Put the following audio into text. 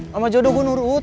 sama jodoh gue nurut